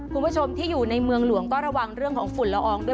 คุณผู้ชมที่อยู่ในเมืองหลวงก็ระวังเรื่องของฝุ่นละอองด้วย